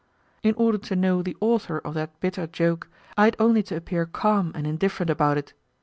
In order to know the author of that bitter joke I had only to appear calm and indifferent about it.